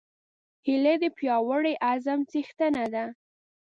هیلۍ د پیاوړي عزم څښتنه ده